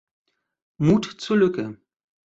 Mut zur Lücke.